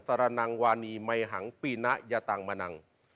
สารนังวานีมัยหังปีนะยะตังมะนัง